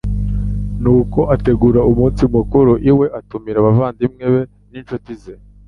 Nuko ategura umunsi mukuru iwe atumira abavandimwe be n'inshuti ze.